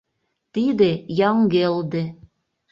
Тиде — Яҥгелде.